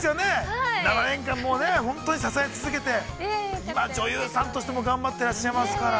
◆７年間本当に支え続けて今、女優さんとしても頑張ってらっしゃいますから。